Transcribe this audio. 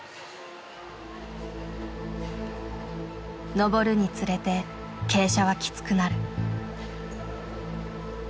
登るにつれて傾斜はきつくなる。